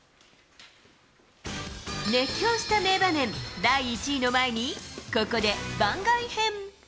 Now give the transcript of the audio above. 熱狂した名場面第１位の前にここで番外編。